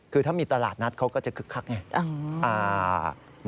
คือถ้ามีตลาดนัดเขาก็จะคึกคักไง